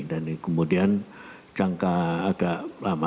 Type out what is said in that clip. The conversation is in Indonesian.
dan kemudian jangka agak lama